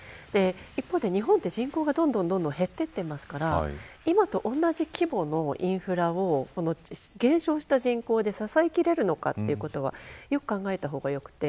一方で日本は人口がどんどん減っていますから今と同じ規模のインフラを減少した人口で支えきれるのかということはよく考えた方がいいです。